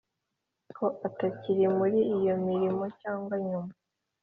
Ko atakiri muri iyo mirimo cyangwa nyuma